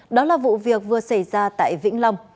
đó là vụ việc vừa xảy ra tại vĩnh long